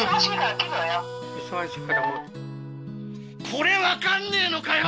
これ分かんねえのかよ！